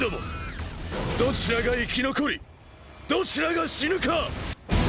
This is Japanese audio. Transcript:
どちらが生き残りどちらが死ぬか。